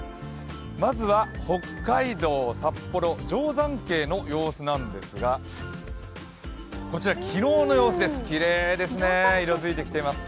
まずは北海道・札幌定山渓の様子なんですがこちら昨日の様子です、きれいですね、色づいてきています。